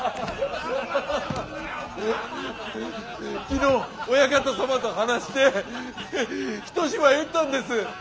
昨日オヤカタ様と話して一芝居打ったんです。